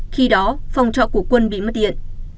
khi đó phòng chọc của quân bị mất điện